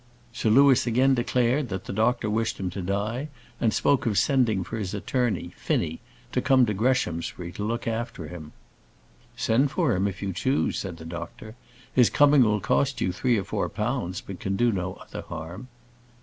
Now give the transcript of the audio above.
Sir Louis again declared that the doctor wished him to die, and spoke of sending for his attorney, Finnie, to come to Greshamsbury to look after him. "Send for him if you choose," said the doctor. "His coming will cost you three or four pounds, but can do no other harm."